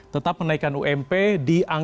tetap menaikkan ump di tahun dua ribu dua puluh satu